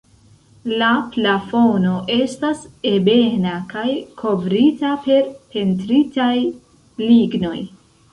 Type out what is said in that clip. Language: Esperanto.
La plafono estas ebena kaj kovrita per pentritaj lignoj.